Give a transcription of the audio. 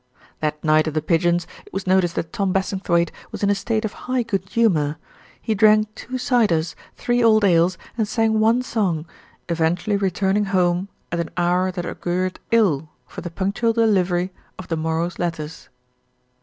That night at The Pigeons it was noticed that Tom Bassingthwaighte was in a state of high good humour. He drank two ciders, three old ales and sang one song, eventually returning home at an hour that augured ill for the punctual delivery of the morrow's letters.